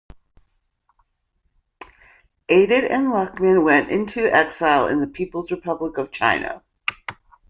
Aidit and Lukman went into exile in the People's Republic of China.